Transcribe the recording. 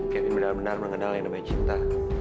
kevin benar benar mengenal yang namanya cinta